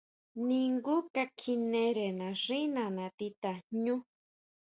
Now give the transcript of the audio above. Ningú ka kjinere naxína nati jñú.